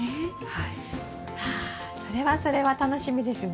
わそれはそれは楽しみですね。